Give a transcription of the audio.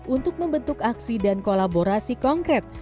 untuk membentuk aksi dan kolaborasi konkret